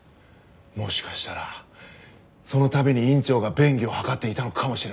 もしかしたらその度に院長が便宜を図っていたのかもしれません。